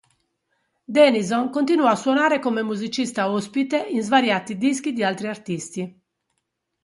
Denison continuò a suonare come musicista ospite in svariati dischi di altri artisti.